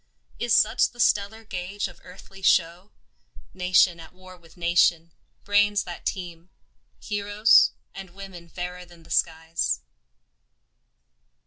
Is such the stellar gauge of earthly show, Nation at war with nation, brains that teem, Heroes, and women fairer than the skies?